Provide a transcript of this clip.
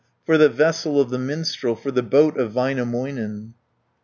For the vessel of the minstrel, For the boat of Väinämöinen.